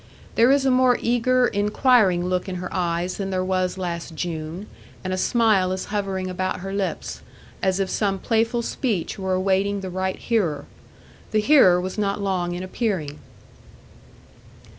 There is a more eager, inquiring look in her eyes than there was last June, and a smile is hovering about her lips, as if some playful speech were awaiting the right hearer. The hearer was not long in appearing.